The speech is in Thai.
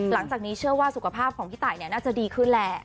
หลังจากนี้เชื่อว่าสุขภาพของพี่ตายน่าจะดีขึ้นแหละ